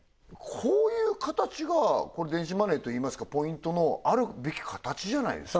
こういう形が電子マネーといいますかポイントのあるべき形じゃないですか？